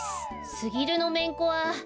すぎるのめんこは。